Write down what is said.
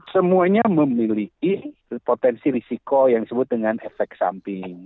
semuanya memiliki potensi risiko yang disebut dengan efek samping